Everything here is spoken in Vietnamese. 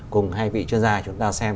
cùng hai vị chuyên gia chúng ta xem